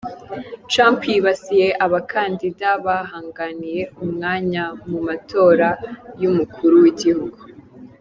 Trump yibasiye abakandida bahanganiye umwanya mu matora y’umukuru w’igihugu.